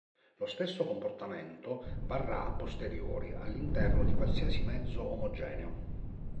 Lo stesso comportamento varrà a posteriori all'interno di qualsiasi mezzo omogeneo.